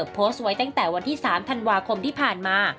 โพสต์ไว้ตั้งแต่วันที่๓ธันวาคมที่ผ่านมา